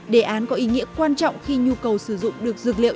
đề án có ý nghĩa quan trọng khi nhu cầu sử dụng được dược liệu